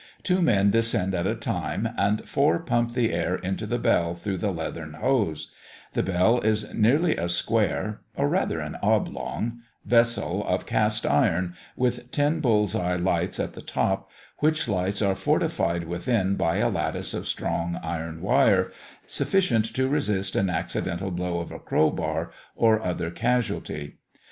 Two men descend at a time, and four pump the air into the bell through the leathern hose; the bell is nearly a square, or rather an oblong, vessel of cast iron, with ten bull's eye lights at the top, which lights are fortified within by a lattice of strong iron wire, sufficient to resist an accidental blow of a crowbar, or other casualty.